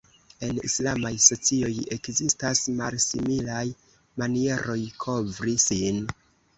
En islamaj socioj ekzistas malsimilaj manieroj kovri sin.